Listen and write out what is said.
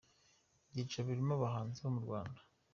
Ibyiciro birimo abahanzi bo mu Rwanda:.